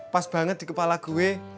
pas banget di kepala gue